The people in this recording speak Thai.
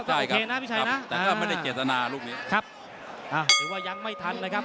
ก็โอเคนะพี่ชัยนะแต่ก็ไม่ได้เกตนาลูกนี้ครับอ้าวหรือว่ายังไม่ทันเลยครับ